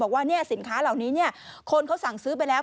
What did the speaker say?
บอกว่าสินค้าเหล่านี้คนเขาสั่งซื้อไปแล้ว